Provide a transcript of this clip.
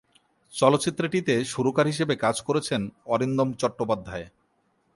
চলচ্চিত্রটিতে সুরকার হিসেবে কাজ করেছেন অরিন্দম চট্টোপাধ্যায়।